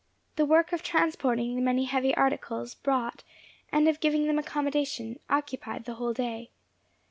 The work of transporting the many heavy articles brought, and of giving them accommodation, occupied the whole day.